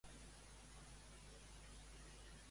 Qui acompanya a la Pepa?